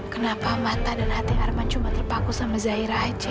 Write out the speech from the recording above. kenapa mata dan hati arman cuma terpaku sama zaira aja